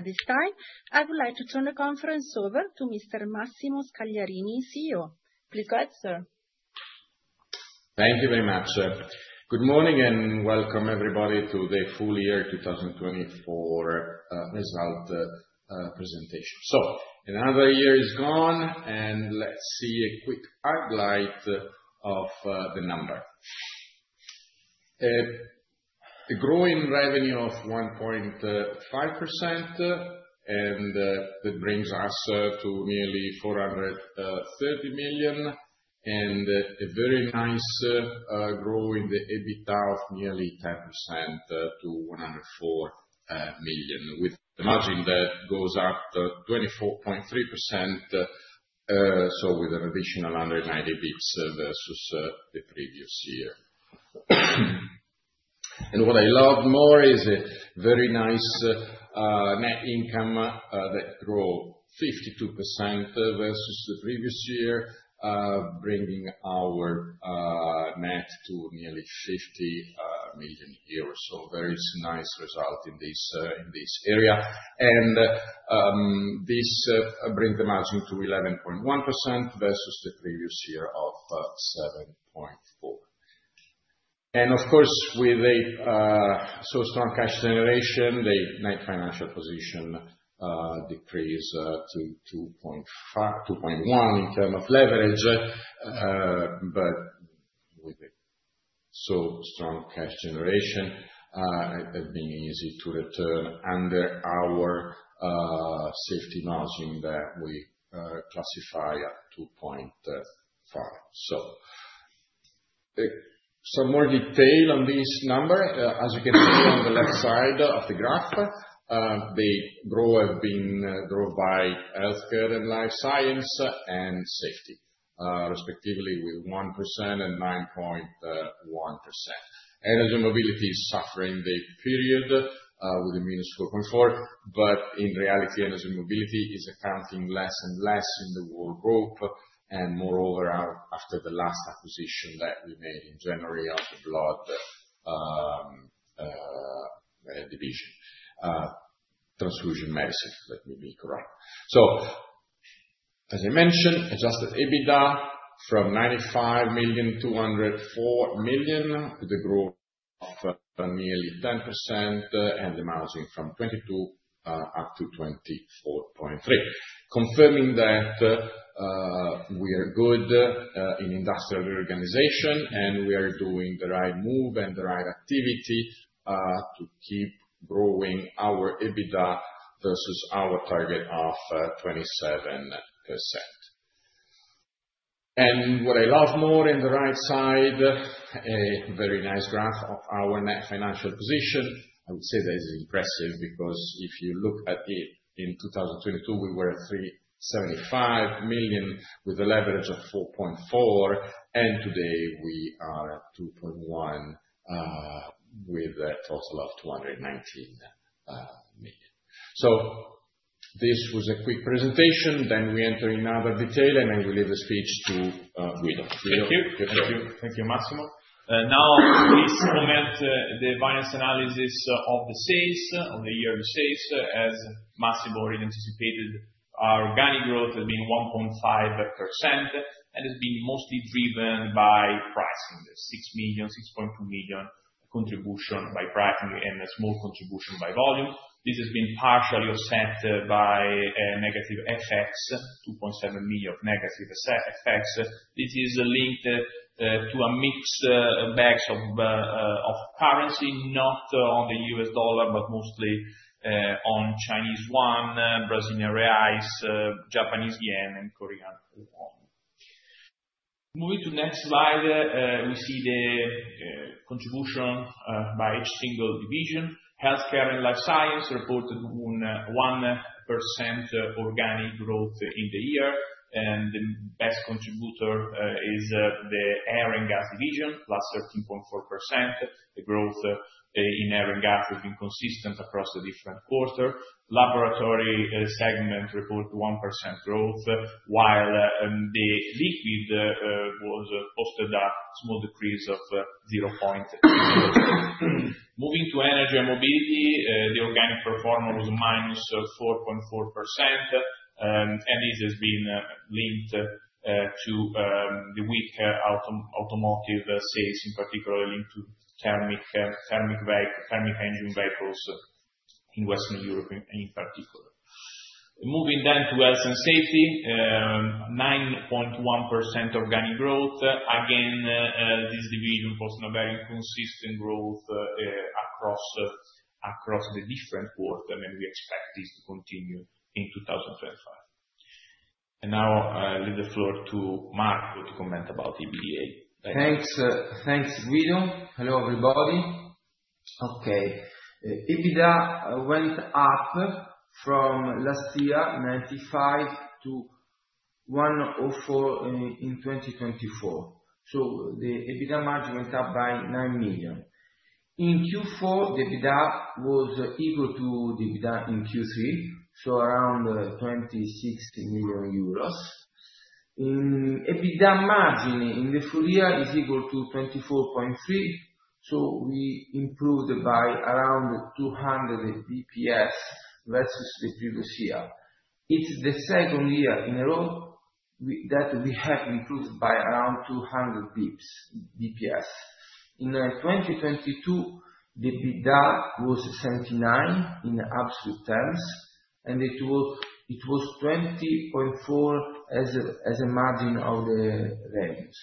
At this time, I would like to turn the conference over to Mr. Massimo Scagliarini, CEO. Please go ahead, sir. Thank you very much. Good morning and welcome, everybody, to the full year 2024 result presentation. Another year is gone, and let's see a quick highlight of the number. A growing revenue of 1.5%, and that brings us to nearly 430 million, and a very nice grow in the EBITDA of nearly 10% to 104 million, with the margin that goes up 24.3%, with an additional 190 basis points versus the previous year. What I love more is a very nice net income that grew 52% versus the previous year, bringing our net to nearly 50 million euros. A very nice result in this area. This brings the margin to 11.1% versus the previous year of 7.4%. Of course, with a so strong cash generation, the net financial position decreased to 2.1% in terms of leverage. With such strong cash generation, it has been easy to return under our Safety margin that we classify at 2.5%. Some more detail on this number. As you can see on the left side of the graph, the growth has been driven healthcare & Life Sciences and Safety, respectively, with 1% and 9.1%. Energy & Mobility is suffering the period with a minus 4.4%. In reality, Energy & Mobility is accounting less and less in the whole group. Moreover, after the last acquisition that we made in January of the blood division, Transfusion Medicine, let me be correct. As I mentioned, Adjusted EBITDA from 95 million to 204 million, with a growth of nearly 10%, and the margin from 22% up to 24.3%, confirming that we are good in industrial reorganization, and we are doing the right move and the right activity to keep growing our EBITDA versus our target of 27%. What I love more on the right side, a very nice graph of our net financial position. I would say that is impressive because if you look at it in 2022, we were at 375 million with a leverage of 4.4%, and today we are at 2.1% with a total of 219 million. This was a quick presentation. We enter in other detail, and I will leave the speech to Guido. Thank you. Thank you, Massimo. Now, please comment on the finance analysis of the sales, of the yearly sales. As Massimo already anticipated, our organic growth has been 1.5%, and it's been mostly driven by pricing, the $6 million, $6.2 million contribution by pricing and a small contribution by volume. This has been partially offset by negative FX, $2.7 million of negative FX. This is linked to a mixed bag of currency, not on the U.S. dollar, but mostly on Chinese yuan, Brazilian reais, Japanese yen, and Korean won. Moving to the next slide, we see the contribution by each single division. Healthcare & Life Sciences reported 1% organic growth in the year. The best contributor is theAir & Gas division, plus 13.4%. The growth inAir & Gas has been consistent across the different quarters. Laboratory segment reported 1% growth, while the Liquid posted a small decrease of 0.2%. Moving to Energy & Mobility, the organic performer was minus 4.4%, and this has been linked to the weak automotive sales, in particular linked to thermic engine vehicles in Western Europe in particular. Moving then to Health & Safety, 9.1% organic growth. Again, this division posted a very consistent growth across the different quarters, and we expect this to continue in 2025. Now I'll leave the floor to Marco to comment about EBITDA. Thanks, Guido. Hello, everybody. Okay. EBITDA went up from last year, 95, to 104 in 2024. The EBITDA margin went up by 9 million. In Q4, the EBITDA was equal to the EBITDA in Q3, so around 26 million euros. EBITDA margin in the full year is equal to 24.3%. We improved by around 200 basis points versus the previous year. It is the second year in a row that we have improved by around 200 basis points. In 2022, the EBITDA was 79 in absolute terms, and it was 20.4% as a margin of the revenues.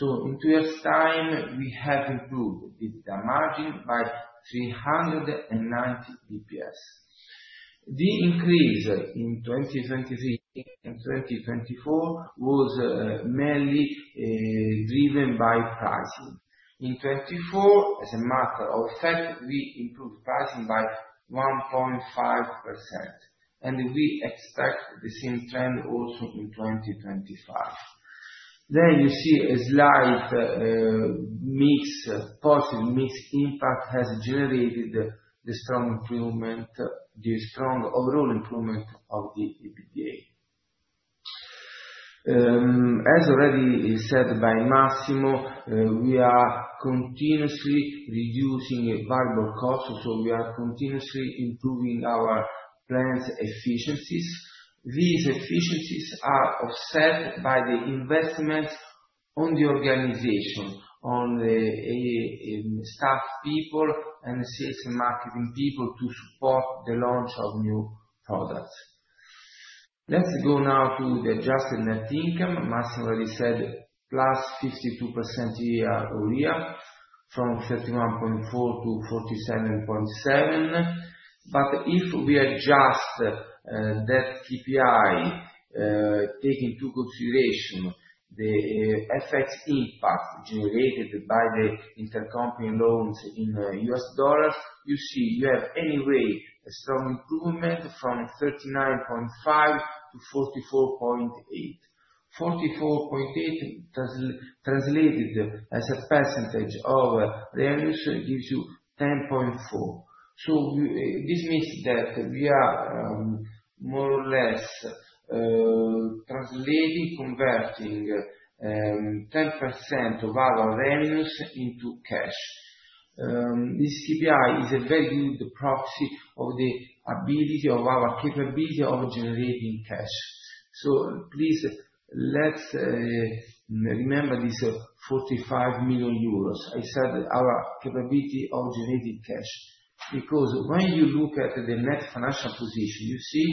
In two years' time, we have improved the EBITDA margin by 390 basis points. The increase in 2023 and 2024 was mainly driven by pricing. In 2024, as a matter of fact, we improved pricing by 1.5%, and we expect the same trend also in 2025. You see a slight mixed positive mixed impact has generated the strong improvement, the strong overall improvement of the EBITDA. As already said by Massimo, we are continuously reducing variable costs, so we are continuously improving our plant's efficiencies. These efficiencies are offset by the investments on the organization, on the staff people and sales and marketing people to support the launch of new products. Let's go now to the adjusted net income. Massimo already said plus 52% year over year from 31.4% to 47.7%. If we adjust that KPI, taking into consideration the FX impact generated by the intercompany loans in U.S. dollars, you see you have anyway a strong improvement from 39.5% to 44.8%. 44.8% translated as a percentage of revenues gives you 10.4%. This means that we are more or less translating, converting 10% of our revenues into cash. This KPI is a very good proxy of the ability of our capability of generating cash. Please let's remember this 45 million euros. I said our capability of generating cash because when you look at the net financial position, you see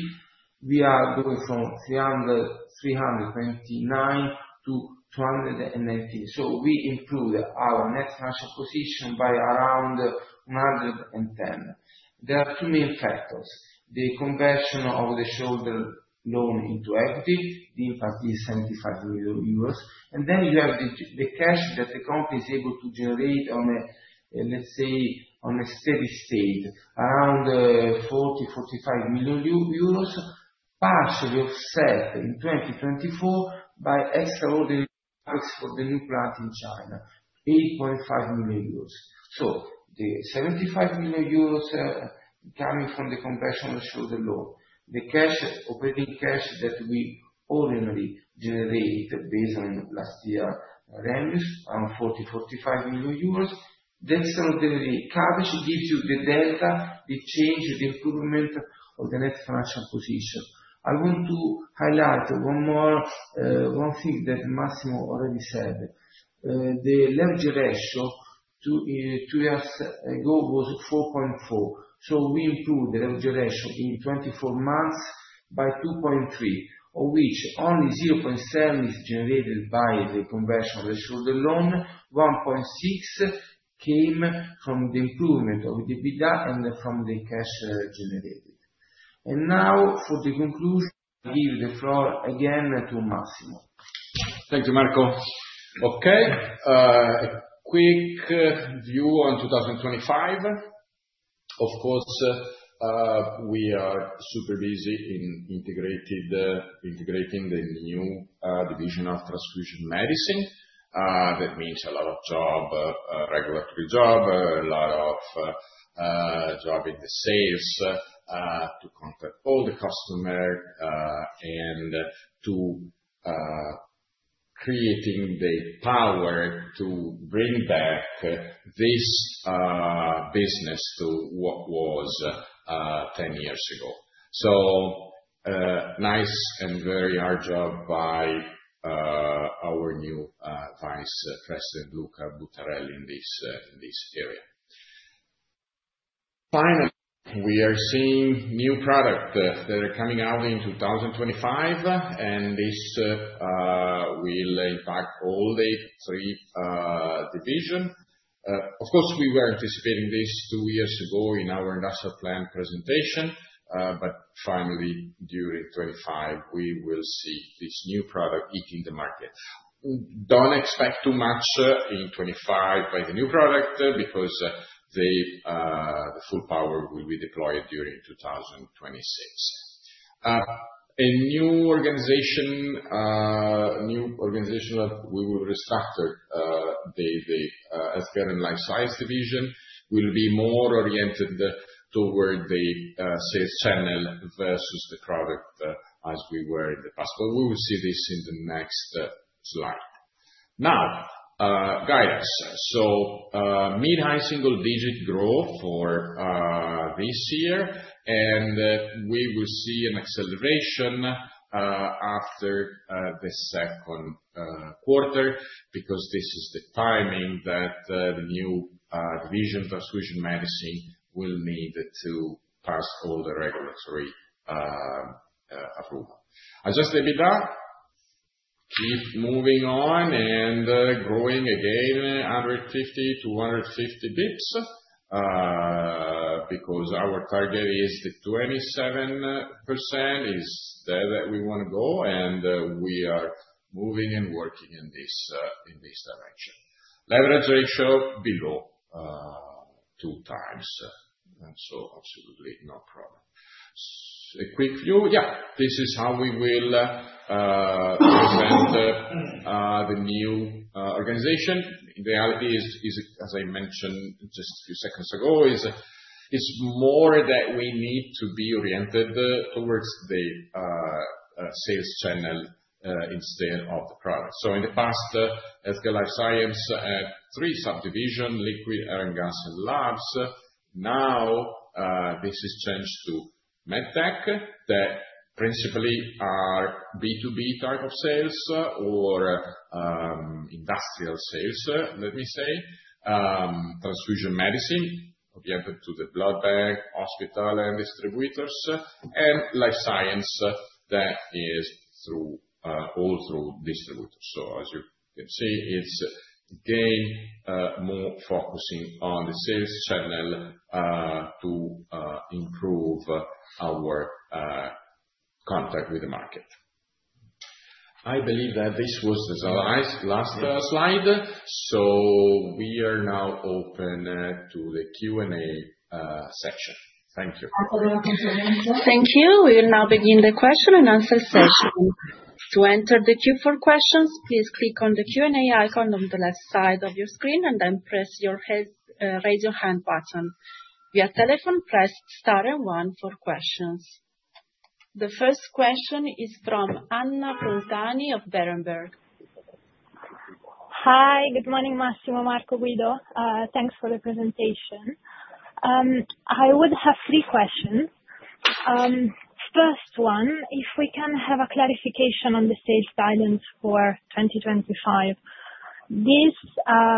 we are going from 329 million to 219 million. We improved our net financial position by around 110 million. There are two main factors. The conversion of the shareholder loan into equity, the impact is 75 million euros. Then you have the cash that the company is able to generate on a, let's say, on a steady state, around 40-45 million euros, partially offset in 2024 by extraordinary efforts for the new plant in China, 8.5 million euros. The 75 million euros coming from the conversion of the shareholder loan, the cash, operating cash that we ordinarily generate based on last year's revenues around 40-45 million euros, the extraordinary coverage gives you the delta, the change, the improvement of the net financial position. I want to highlight one more thing that Massimo already said. The leverage ratio two years ago was 4.4%. We improved the leverage ratio in 24 months by 2.3%, of which only 0.7% is generated by the conversion of the shareholder loan. 1.6% came from the improvement of EBITDA and from the cash generated. Now for the conclusion, I give the floor again to Massimo. Thank you, Marco. Okay. A quick view on 2025. Of course, we are super busy in integrating the new division of Transfusion Medicine. That means a lot of job, regulatory job, a lot of job in the sales to contact all the customers and to creating the power to bring back this business to what was 10 years ago. So nice and very hard job by our new Vice President, Luca Bacchelli, in this area. Finally, we are seeing new products that are coming out in 2025, and this will impact all the three divisions. Of course, we were anticipating this two years ago in our industrial plan presentation, but finally, during 2025, we will see this new product hitting the market. Do not expect too much in 2025 by the new product because the full power will be deployed during 2026. A new organization that we will restructure, healthcare & Life Sciences division, will be more oriented toward the sales channel versus the product as we were in the past. We will see this in the next slide. Now, guidance. Mid-high single digit growth for this year, and we will see an acceleration after the second quarter because this is the timing that the new division of Transfusion Medicine will need to pass all the regulatory approval. Adjusted EBITDA. Keep moving on and growing again, 150 to 250 basis points because our target is the 27% is there that we want to go, and we are moving and working in this direction. Leverage ratio below two times, and so absolutely no problem. A quick view, yeah, this is how we will present the new organization. In reality, as I mentioned just a few seconds ago, it's more that we need to be oriented towards the sales channel instead of the product. In healthcare & Life Sciences, three subdivisions, Liquid, Air & Gas, and Labs. Now this has changed to MedTech that principally are B2B type of sales or industrial sales, let me say. Transfusion Medicine, we have to the blood bank, hospital, and distributors, and Life Sciences that is all through distributors. As you can see, it's again more focusing on the sales channel to improve our contact with the market. I believe that this was the last slide. We are now open to the Q&A section. Thank you. Thank you. We will now begin the question and answer session. To enter the Q4 questions, please click on the Q&A icon on the left side of your screen and then press your raise your hand button. Via telephone, press star and one for questions. The first question is from Anna Frontani of Berenberg. Hi, good morning, Massimo, Marco, Guido. Thanks for the presentation. I would have three questions. First one, if we can have a clarification on the sales guidance for 2025. This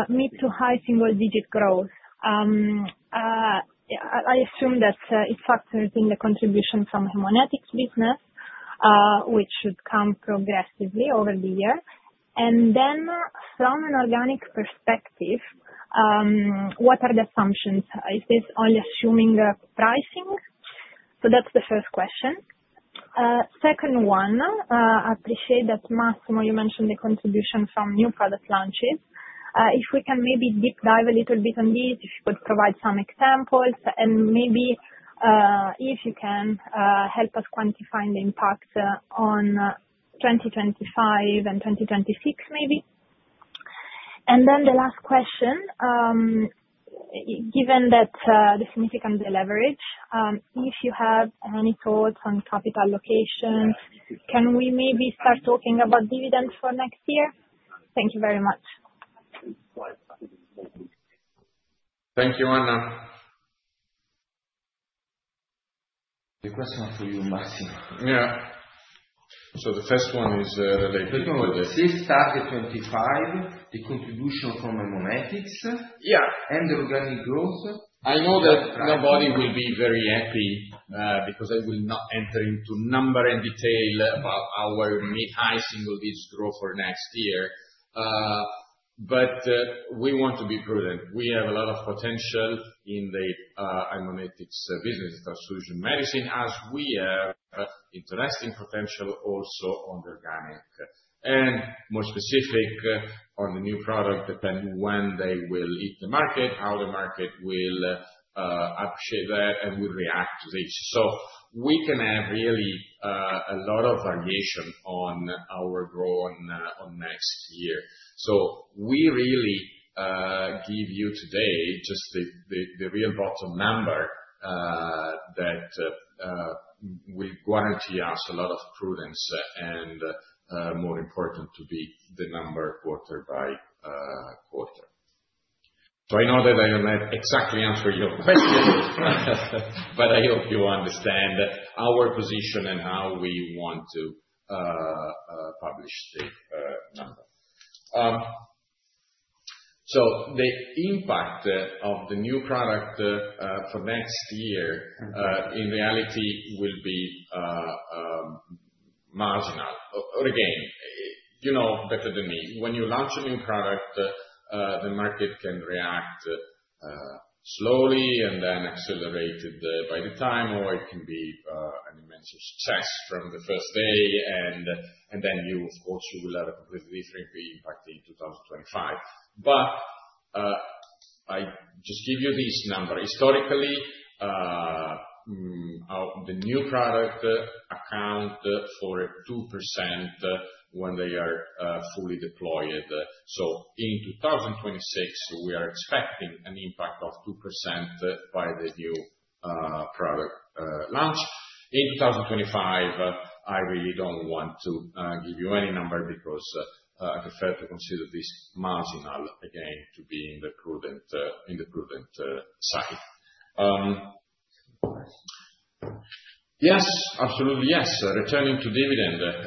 mid to high single digit growth, I assume that it factors in the contribution from the Haemonetics business, which should come progressively over the year. From an organic perspective, what are the assumptions? Is this only assuming pricing? That is the first question. Second one, I appreciate that, Massimo, you mentioned the contribution from new product launches. If we can maybe deep dive a little bit on these, if you could provide some examples, and maybe if you can help us quantify the impact on 2025 and 2026, maybe. The last question, given that the significance of the leverage, if you have any thoughts on capital allocation, can we maybe start talking about dividends for next year? Thank you very much. Thank you, Anna. The question for you, Massimo. Yeah. The first one is related. This started 2025, the contribution from Haemonetics and the organic growth. I know that nobody will be very happy because I will not enter into number and detail about our mid-high single digit growth for next year. We want to be prudent. We have a lot of potential in the Haemonetics business, Transfusion Medicine, as we have interesting potential also on the organic. More specific on the new product, depending when they will hit the market, how the market will appreciate that, and will react to this. We can have really a lot of variation on our growth on next year. We really give you today just the real bottom number that will guarantee us a lot of prudence and, more importantly, to be the number quarter by quarter. I know that I do not exactly answer your question, but I hope you understand our position and how we want to publish the number. The impact of the new product for next year, in reality, will be marginal. You know better than me. When you launch a new product, the market can react slowly and then accelerate by the time, or it can be an immense success from the first day. Of course, you will have a completely different impact in 2025. I just give you this number. Historically, the new product accounts for 2% when they are fully deployed. In 2026, we are expecting an impact of 2% by the new product launch. In 2025, I really do not want to give you any number because I prefer to consider this marginal again to be on the prudent side. Yes, absolutely yes. Returning to dividend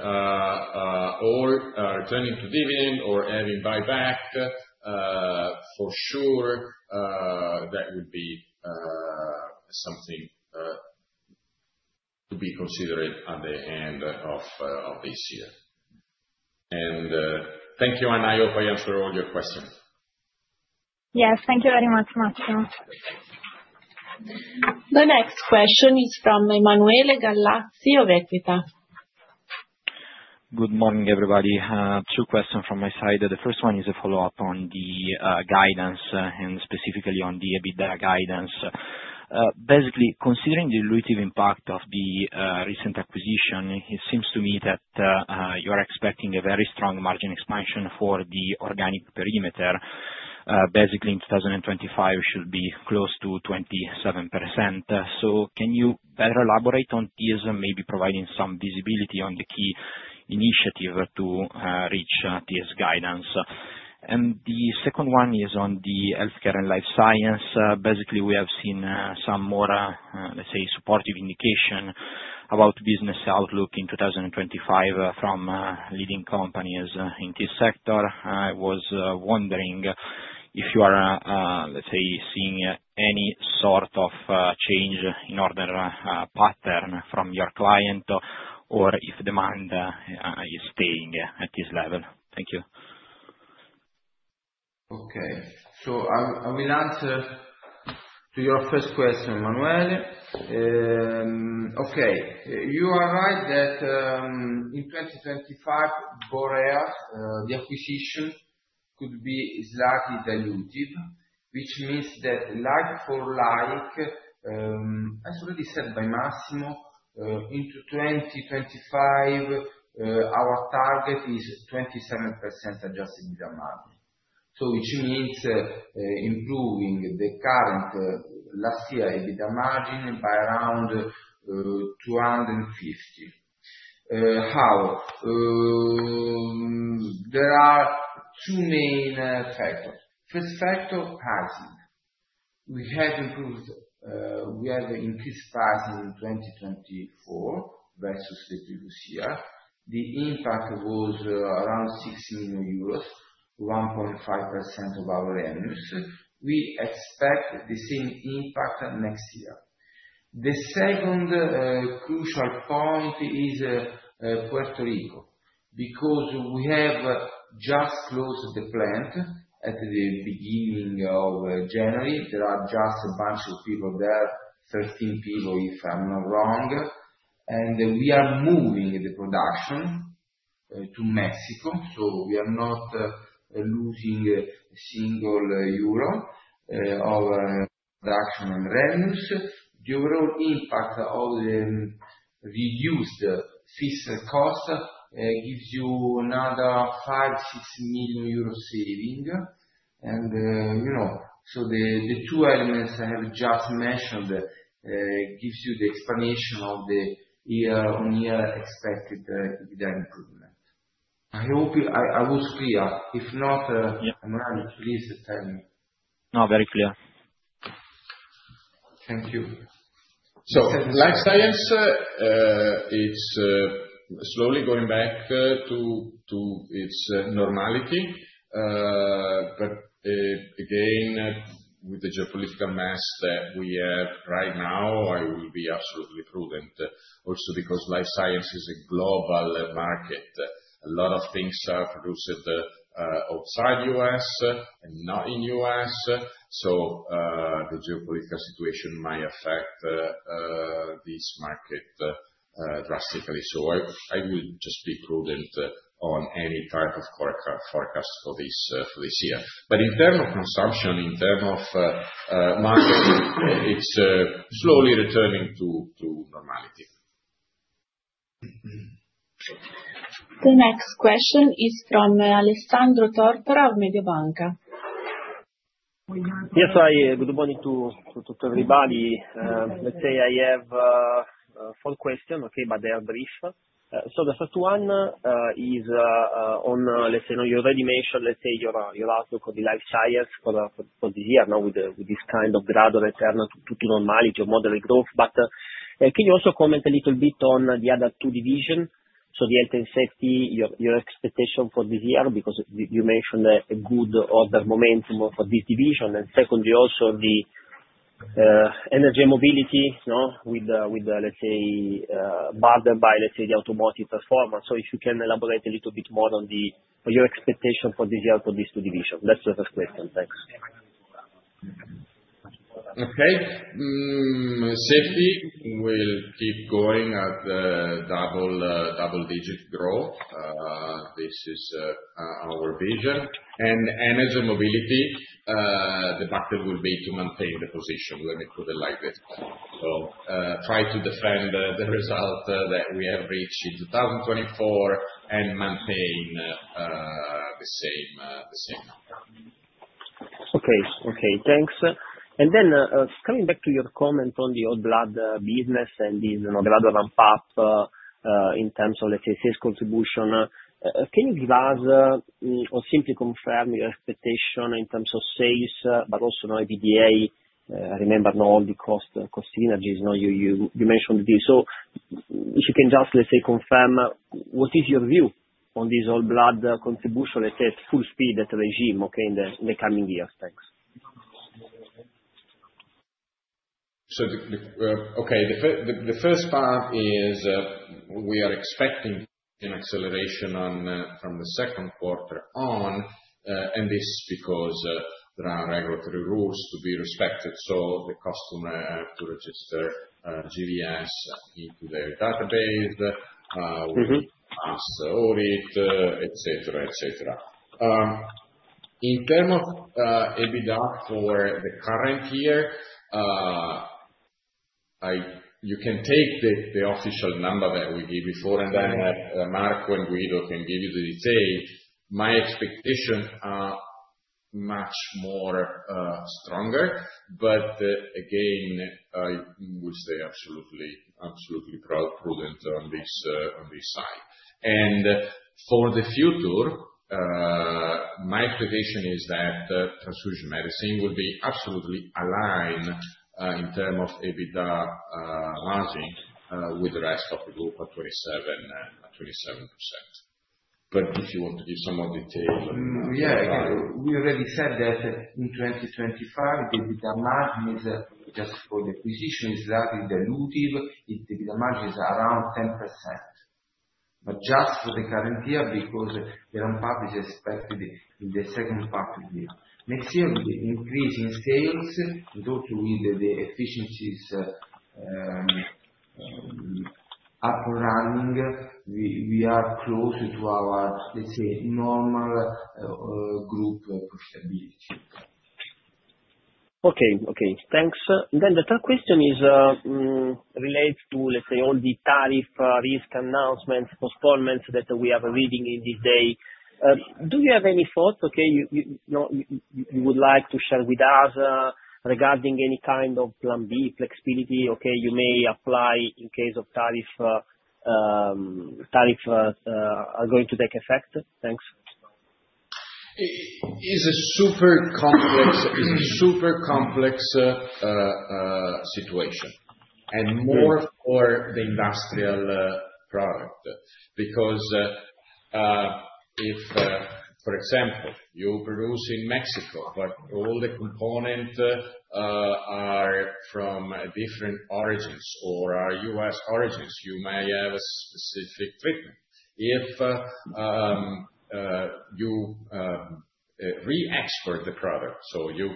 or having buyback, for sure, that would be something to be considered at the end of this year. Thank you, and I hope I answered all your questions. Yes, thank you very much, Massimo. The next question is from Emanuele Gallazzi of Equita. Good morning, everybody. Two questions from my side. The first one is a follow-up on the guidance and specifically on the EBITDA guidance. Basically, considering the dilutive impact of the recent acquisition, it seems to me that you are expecting a very strong margin expansion for the organic perimeter. Basically, in 2025, we should be close to 27%. Can you better elaborate on this, maybe providing some visibility on the key initiative to reach this guidance? The second one is on healthcare & Life Sciences. basically, we have seen some more, let's say, supportive indication about business outlook in 2025 from leading companies in this sector. I was wondering if you are, let's say, seeing any sort of change in order pattern from your client or if demand is staying at this level. Thank you. Okay. I will answer to your first question, Emanuele. You are right that in 2025, for the year, the acquisition could be slightly dilutive, which means that like for like, as already said by Massimo, into 2025, our target is 27% Adjusted EBITDA margin. Which means improving the current last year EBITDA margin by around 250 basis points. How? There are two main factors. First factor, pricing. We have improved, we have increased pricing in 2024 versus the previous year. The impact was around 6 million euros, 1.5% of our revenues. We expect the same impact next year. The second crucial point is Puerto Rico because we have just closed the plant at the beginning of January. There are just a bunch of people there, 13 people, if I'm not wrong. We are moving the production to Mexico. We are not losing a single euro of production and revenues. The overall impact of the reduced fixed cost gives you another 5 million-6 million euro saving. The two elements I have just mentioned give you the explanation of the year-on-year expected EBITDA improvement. I hope I was clear. If not, Emanuele, please tell me. No, very clear. Thank you. Life Sciences, it's slowly going back to its normality. Again, with the geopolitical mess that we have right now, I will be absolutely prudent also because Life Sciences is a global market. A lot of things are produced outside the U.S. and not in the U.S. The geopolitical situation might affect this market drastically. I will just be prudent on any type of forecast for this year. In terms of consumption, in terms of marketing, it's slowly returning to normality. The next question is from Alessandro Tortora of Mediobanca. Yes, hi, good morning to everybody. Let's say I have four questions, okay, but they are brief. The first one is on, let's say, you already mentioned, let's say, your outlook for the Life Sciences for this year with this kind of gradual return to normality or moderate growth. Can you also comment a little bit on the other two divisions? The Health & Safety, your expectation for this year because you mentioned a good order momentum for this division. Secondly, also the Energy & Mobility with, let's say, barred by, let's say, the automotive performance. If you can elaborate a little bit more on your expectation for this year for these two divisions. That's the first question. Thanks. Okay. Safety will keep going at double-digit growth. This is our vision. Energy & Mobility, the backdoor will be to maintain the position. Let me put it like this. Try to defend the result that we have reached in 2024 and maintain the same number. Okay. Okay. Thanks. Coming back to your comment on the old blood business and this gradual ramp-up in terms of, let's say, sales contribution, can you give us or simply confirm your expectation in terms of sales, but also EBITDA? I remember all the cost synergies, you mentioned these. If you can just, let's say, confirm, what is your view on this old blood contribution, let's say, at full-speed regime, okay, in the coming years? Thanks. Okay. The first part is we are expecting an acceleration from the second quarter on. This is because there are regulatory rules to be respected. The customer has to register GVS into their database, pass audit, etc., etc. In terms of EBITDA for the current year, you can take the official number that we gave before, and then Marco and Guido can give you the detail. My expectations are much stronger. I will say absolutely prudent on this side. For the future, my expectation is that Transfusion Medicine will be absolutely aligned in terms of EBITDA margin with the rest of the group at 27%. If you want to give some more detail. Yeah. We already said that in 2025, the EBITDA margin just for the acquisition is slightly dilutive. The EBITDA margin is around 10%. Just for the current year because the ramp-up is expected in the second part of the year. Next year, with the increase in sales, and also with the efficiencies up and running, we are close to our, let's say, normal group profitability. Okay. Okay. Thanks. The third question relates to, let's say, all the tariff risk announcements, postponements that we are reading in this day. Do you have any thoughts you would like to share with us regarding any kind of plan B flexibility you may apply in case tariffs are going to take effect? Thanks. It's a super complex situation and more for the industrial product because if, for example, you produce in Mexico, but all the components are from different origins or are U.S. origins, you may have a specific treatment. If you re-export the product, you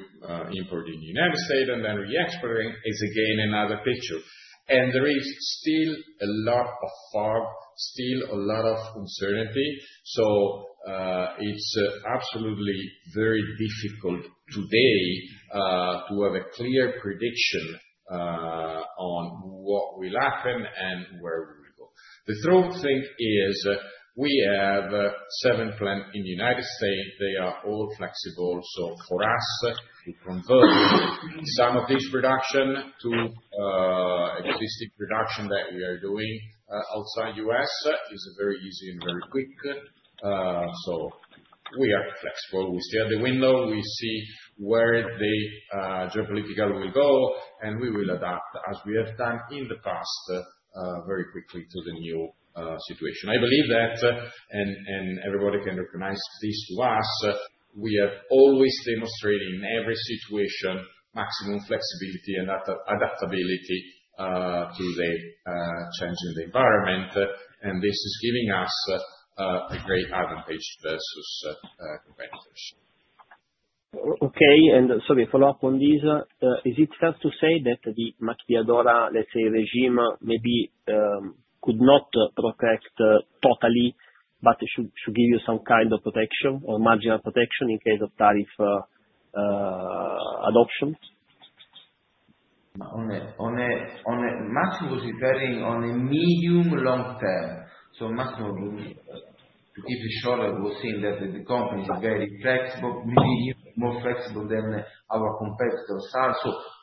import in the United States and then re-export, it's again another picture. There is still a lot of fog, still a lot of uncertainty. It's absolutely very difficult today to have a clear prediction on what will happen and where we will go. The third thing is we have seven plants in the United States. They are all flexible. For us to convert some of this production to existing production that we are doing outside the U.S. is very easy and very quick. We are flexible. We see the window. We see where the geopolitical will go, and we will adapt as we have done in the past very quickly to the new situation. I believe that, and everybody can recognize this to us, we have always demonstrated in every situation maximum flexibility and adaptability to the change in the environment. This is giving us a great advantage versus competitors. Okay. Sorry, follow-up on this. Is it fair to say that the maquiladora, let's say, regime maybe could not protect totally, but should give you some kind of protection or marginal protection in case of tariff adoption? On a maximum considering on a medium-long term. Massimo, to keep it short, we're seeing that the company is very flexible, more flexible than our competitors.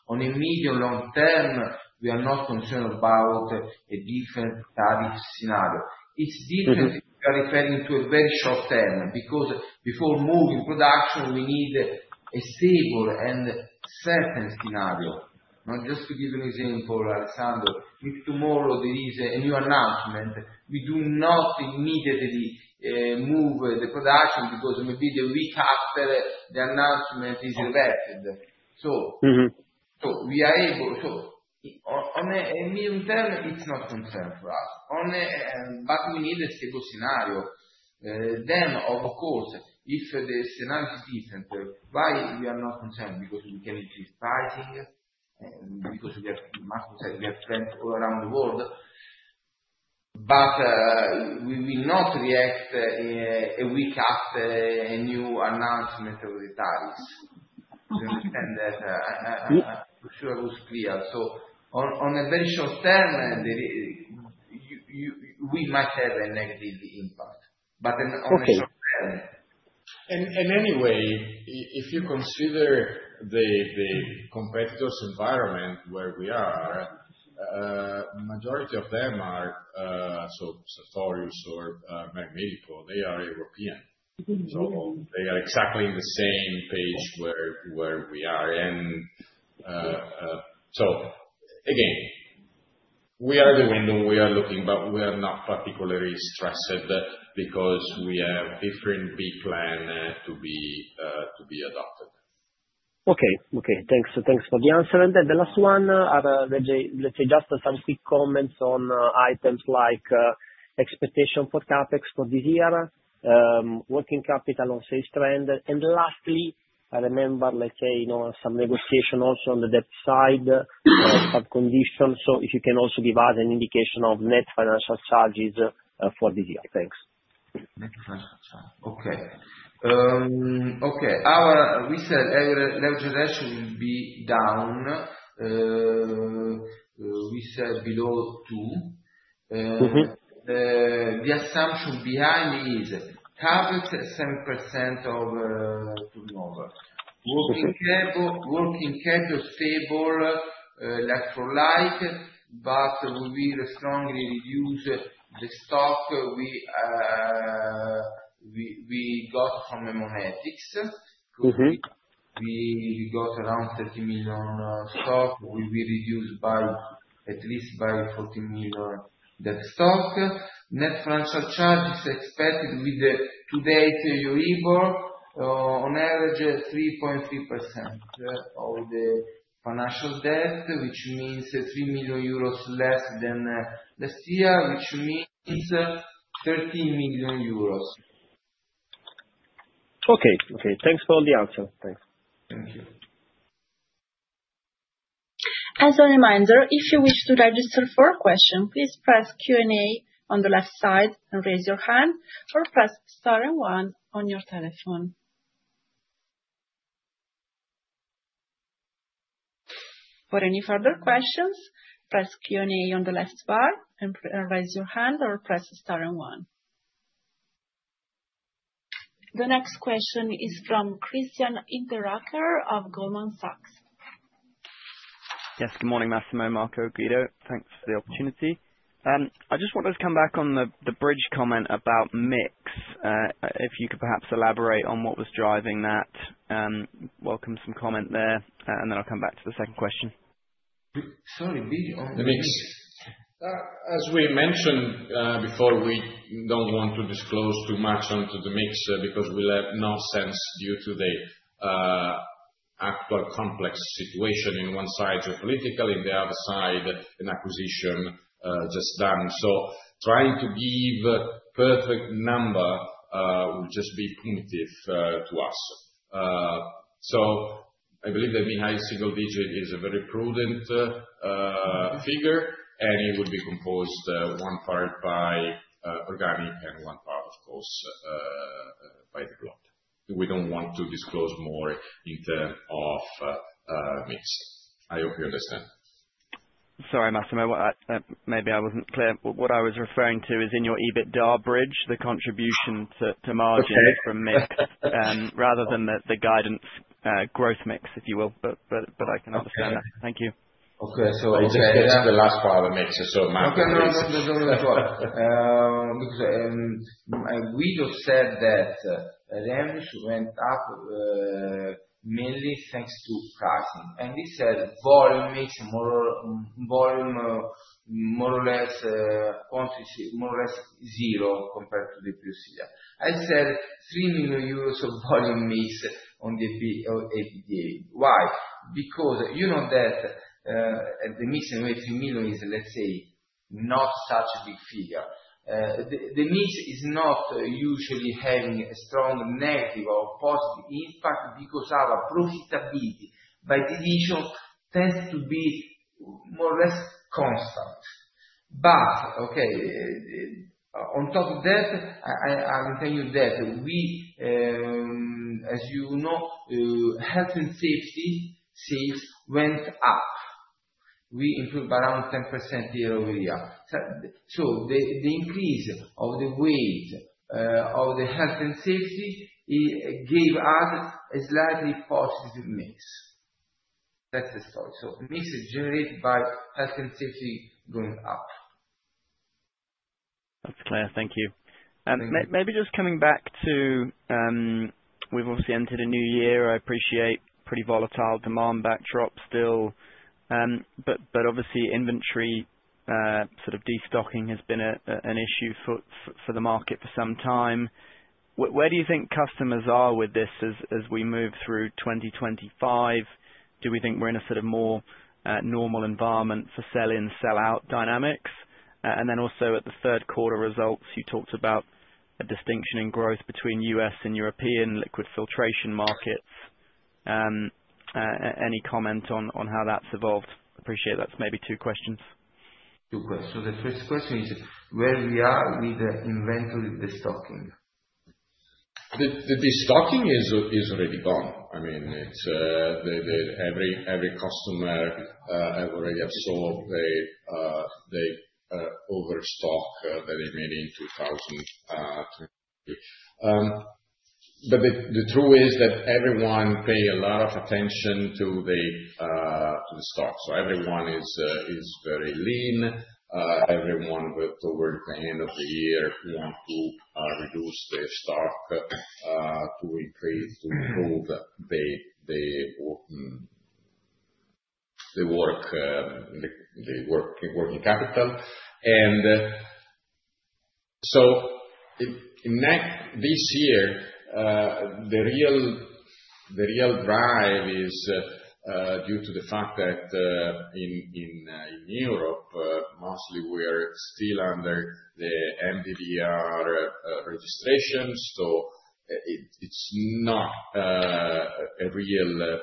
On a medium-long term, we are not concerned about a different tariff scenario. It's different if you are referring to a very short term because before moving production, we need a stable and certain scenario. Just to give an example, Alessandro, if tomorrow there is a new announcement, we do not immediately move the production because maybe the week after the announcement is reverted. We are able to, on a medium term, it's not concerned for us. We need a stable scenario. Of course, if the scenario is different, why we are not concerned? Because we can increase pricing because we have friends all around the world. We will not react a week after a new announcement of the tariffs. I understand that. I'm not sure I was clear. On a very short term, we might have a negative impact. On a short term. If you consider the competitor's environment where we are, the majority of them are Sartorius or Millipore. They are European. They are exactly in the same page where we are. Again, we are at the window. We are looking, but we are not particularly stressed because we have different big plans to be adopted. Okay. Okay. Thanks for the answer. The last one are, let's say, just some quick comments on items like expectation for CapEx for this year, working capital on sales trend. Lastly, I remember, let's say, some negotiation also on the debt side of conditions. If you can also give us an indication of net financial charges for this year. Thanks. Net financial charges. Okay. Okay. We said average generation will be down. We said below two. The assumption behind is CapEx at 7% of turnover. Working capital stable, like for like, but we will strongly reduce the stock we got from Haemonetics because we got around 30 million stock. We will reduce at least by 14 million that stock. Net financial charges expected with today's year-over-year on average 3.3% of the financial debt, which means 3 million euros less than last year, which means 13 million euros. Okay. Okay. Thanks for all the answers. Thanks. Thank you. As a reminder, if you wish to register for a question, please press Q&A on the left side and raise your hand or press star and one on your telephone. For any further questions, press Q&A on the left bar and raise your hand or press star and one. The next question is from Christian Hinderaker of Goldman Sachs. Yes. Good morning, Massimo, Marco, Guido. Thanks for the opportunity. I just wanted to come back on the bridge comment about MIX. If you could perhaps elaborate on what was driving that. Welcome some comment there. Then I'll come back to the second question. Sorry. The MIX. As we mentioned before, we don't want to disclose too much onto the MIX because we have no sense due to the actual complex situation in one side, geopolitical, in the other side, an acquisition just done. Trying to give a perfect number will just be punitive to us. I believe that Mihai single-digit is a very prudent figure, and it will be composed one part by organic and one part, of course, by the globe. We don't want to disclose more in terms of MIX. I hope you understand. Sorry, Massimo. Maybe I wasn't clear. What I was referring to is in your EBITDA bridge, the contribution to margin from MIX rather than the guidance growth MIX, if you will. I can understand that. Thank you. Okay. It is the last part of the MIX. Massimo. Okay. No, no, no. That's all. Because Guido said that revs went up mainly thanks to pricing. He said volume MIX, more or less zero compared to the previous year. I said 3 million euros of volume MIX on the EBITDA. Why? Because you know that the MIX and EUR 3 million is, let's say, not such a big figure. The MIX is not usually having a strong negative or positive impact because our profitability by division tends to be more or less constant. Okay, on top of that, I'll tell you that we, as you know, Health & Safety sales went up. We improved by around 10% year over year. The increase of the weight of the Health & Safety gave us a slightly positive MIX. That's the story. Mix is generated by Health & Safety going up. That's clear. Thank you. Maybe just coming back to we've obviously entered a new year. I appreciate pretty volatile demand backdrop still. Obviously, inventory sort of destocking has been an issue for the market for some time. Where do you think customers are with this as we move through 2025? Do we think we're in a sort of more normal environment for sell-in, sell-out dynamics? Also, at the third quarter results, you talked about a distinction in growth between U.S. and European Liquid filtration markets. Any comment on how that's evolved? Appreciate that's maybe two questions. Two questions. The first question is where we are with the inventory destocking? The destocking is already gone. I mean, every customer has already absorbed the overstock that they made in 2023. The truth is that everyone pays a lot of attention to the stock. Everyone is very lean. Everyone towards the end of the year wants to reduce their stock to improve the working capital. This year, the real drive is due to the fact that in Europe, mostly we are still under the MDR registration. It is not a real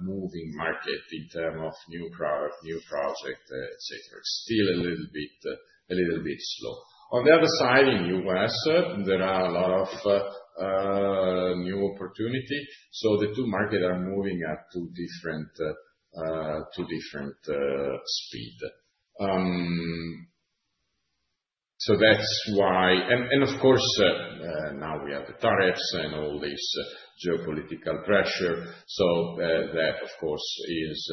moving market in terms of new product, new project, etc. It is still a little bit slow. On the other side, in the U.S., there are a lot of new opportunities. The two markets are moving at two different speeds. That is why. Of course, now we have the tariffs and all this geopolitical pressure. That, of course, is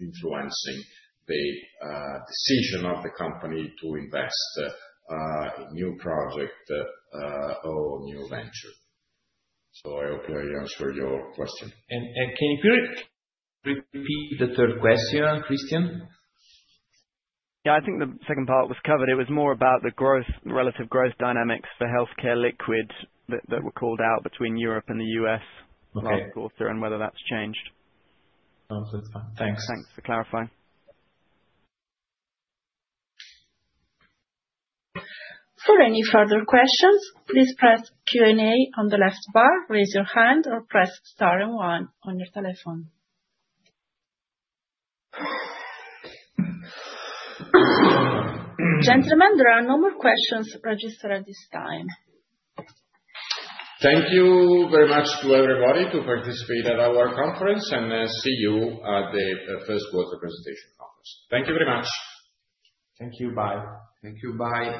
influencing the decision of the company to invest in new projects or new ventures. I hope I answered your question. Can you repeat the third question, Christian? Yeah. I think the second part was covered. It was more about the relative growth dynamics for healthcare Liquids that were called out between Europe and the U.S. last quarter and whether that's changed. Sounds like that. Thanks. Thanks for clarifying. For any further questions, please press Q&A on the left bar, raise your hand, or press star and one on your telephone. Gentlemen, there are no more questions registered at this time. Thank you very much to everybody to participate at our conference, and see you at the first quarter presentation conference. Thank you very much. Thank you. Bye. Thank you. Bye.